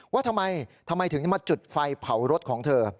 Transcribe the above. ว่าทำไมทำไมถึงมาจุดไฟเผารถของเธอ